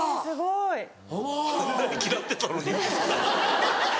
あんなに嫌ってたのに。